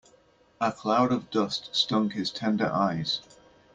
A cloud of dust stung his tender eyes.